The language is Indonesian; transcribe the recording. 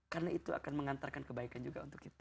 karena itu akan mengantarkan kebaikan juga untuk kita